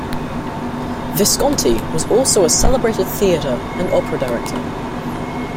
Visconti was also a celebrated theatre and opera director.